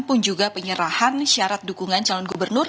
pun juga penyerahan syarat dukungan calon gubernur